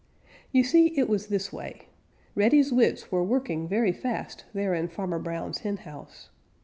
You see it was this way: Reddy's wits were working very fast there in Farmer Brown's henhouse.